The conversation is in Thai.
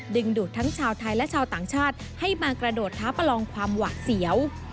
ดูดทั้งชาวไทยและชาวต่างชาติให้มากระโดดท้าประลองความหวาดเสียว